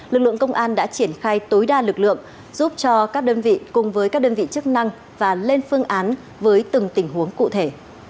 lực lượng công an đã triển khai tối đa lực lượng giúp cho các đơn vị cùng với các đơn vị chức năng và lên phương án với từng tình huống cụ thể